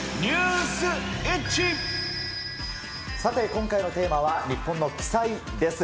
さて、今回のテーマは日本の奇祭です。